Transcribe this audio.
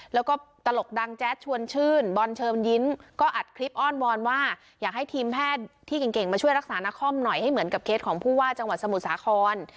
แล้วก็ตลกดังแจ๊ดชวนชื่นบอลเชิญยิ้มก็อัดคลิปอ้อนวอนว่าอยากให้ทีมแพทย์ที่เก่งมาช่วยรักษานครหน่อยให้เหมือนกับเคสของผู้ว่าจังหวัดสมุทรสาคร